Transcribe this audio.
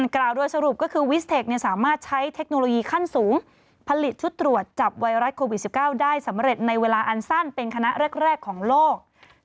กล่าวโดยสรุปก็คือวิสเทคสามารถใช้เทคโนโลยีขั้นสูงผลิตชุดตรวจจับไวรัสโควิด๑๙ได้สำเร็จในเวลาอันสั้นเป็นคณะแรกของโลก